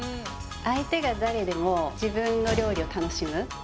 相手が誰でも自分の料理を楽しむ。